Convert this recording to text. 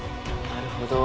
なるほど。